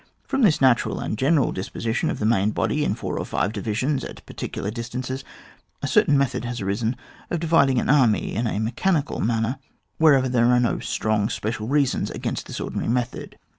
From this natural and general disposi* tion of the main body, in four or five divisions at particular distances, a certain method has arisen of dividing an army in a mechanical manner whenever there are no strong special reasons against this ordinary method.